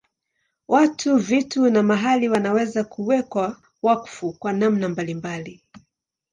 Watu, vitu na mahali wanaweza kuwekwa wakfu kwa namna mbalimbali.